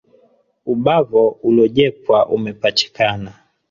Ubavo uliojepwa umepachikana